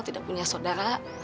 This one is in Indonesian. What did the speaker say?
tidak punya saudara